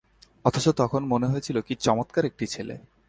অথচ তখন মনে হয়েছিল, কী চমৎকার একটি ছেলে।